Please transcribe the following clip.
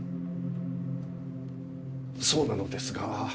そうなのですが。